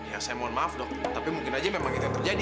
ya saya mohon maaf dok tapi mungkin aja memang itu yang terjadi